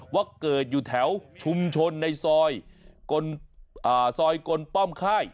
ว่าเกิดอยู่แถวชุมชนในซอยซอยกลป้อมค่าย